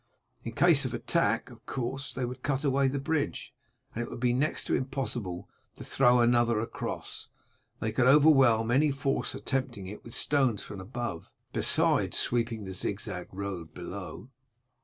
In case of attack, of course, they would cut away the bridge, and it would be next to impossible to throw another across. They could overwhelm any force attempting it with stones from above, besides sweeping the zigzag road below."